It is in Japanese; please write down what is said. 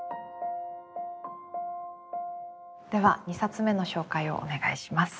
では２冊目の紹介をお願いします。